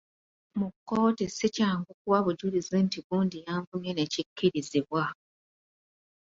Mu kkooti si kyangu kyakuwa bujulizi nti gundi yanvumye ne kikkirizibwa.